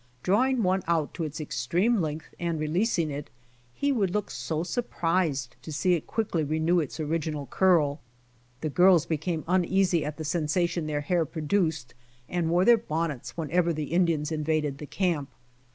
Draw ing one out to its extreme length and releasing it, he would look so surprised to see it quickly renew its original curl. The girls became uneasy at the sensa tion their hair produced and wore their bonnets whenever the Indians invaded the camp.